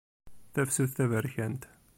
Tafsut taberkant.